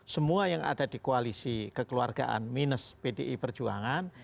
semua yang ada di koalisi kekeluargaan minus pdi perjuangan